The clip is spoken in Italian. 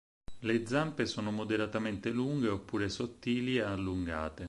Le zampe sono moderatamente lunghe oppure sottili e allungate.